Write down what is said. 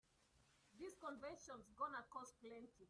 This convention's gonna cost plenty.